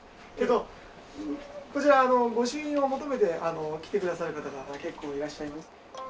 えっとこちら御朱印を求めて来てくださる方が結構いらっしゃいます。